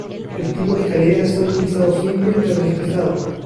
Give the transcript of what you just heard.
El tipo de escalera se ha utilizado siempre en camiones pesados.